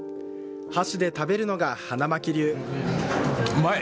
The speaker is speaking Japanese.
箸で食べるのが花巻流。